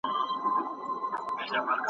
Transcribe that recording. که دې خرو په سر کي لږ عقل لرلای `